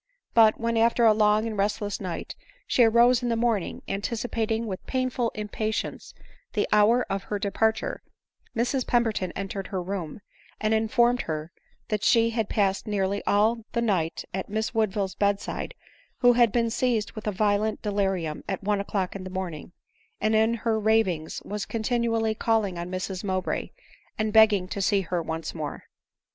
But when, after a long and restless night, she arose in the morning, anticipating with painful impatience the hour of her departure, Mrs Pemberton entered her room, and informed her that she had passed nearly all the night at Miss Woodville's bed side, who had been seized with a violent delirium at one o'clock in the morning, and in her ravings was continually calling on Mrs Mowbray, and begging to see her once more.